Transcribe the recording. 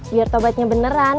biar tobatnya beneran